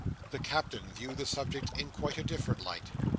The Captain viewed the subject in quite a different light.